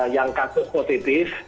yang kasus positif